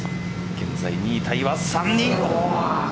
現在２位タイは３人。